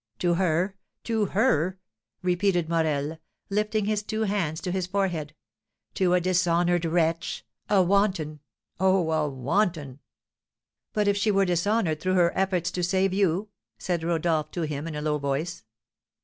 "To her! To her!" repeated Morel, lifting his two hands to his forehead, "to a dishonoured wretch! A wanton! Oh, a wanton!" "But, if she were dishonoured through her efforts to save you?" said Rodolph to him in a low voice.